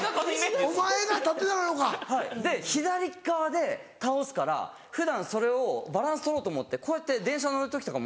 はいで左側で倒すから普段それをバランス取ろうと思ってこうやって電車乗る時とかも。